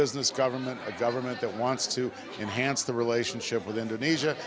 kita akan mencari pemerintah yang berusaha untuk menguasai perusahaan indonesia